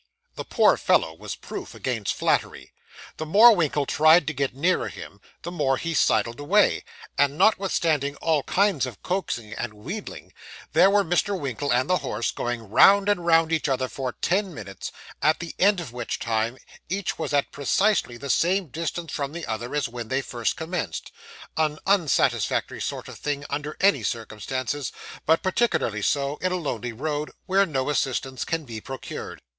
The 'poor fellow' was proof against flattery; the more Mr. Winkle tried to get nearer him, the more he sidled away; and, notwithstanding all kinds of coaxing and wheedling, there were Mr. Winkle and the horse going round and round each other for ten minutes, at the end of which time each was at precisely the same distance from the other as when they first commenced an unsatisfactory sort of thing under any circumstances, but particularly so in a lonely road, where no assistance can be procured.